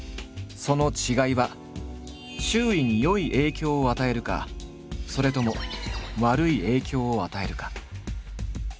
その違いは周囲に良い影響を与えるかそれとも悪い影響を与えるか。